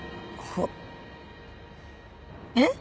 えっ？